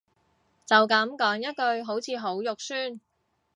就噉講一句好似好酸